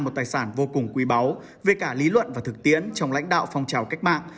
một tài sản vô cùng quý báu về cả lý luận và thực tiễn trong lãnh đạo phong trào cách mạng